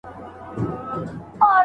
آیا رڼا تر تیارې هیله بښونکې ده؟